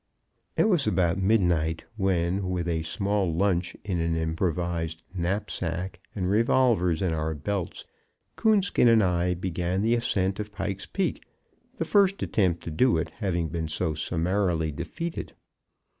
It was about midnight when, with a small lunch in an improvised knapsack and revolvers in our belts, Coonskin and I began the ascent of Pike's Peak, the first attempt to do it having been so summarily defeated.